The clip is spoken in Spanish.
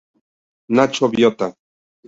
Nacho Biota